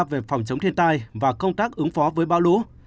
về phòng chống thiên tài và công tác ứng phó với báo lũ